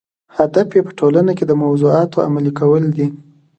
هدف یې په ټولنه کې د موضوعاتو عملي کول دي.